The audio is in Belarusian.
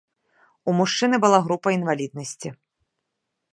У мужчыны была група інваліднасці.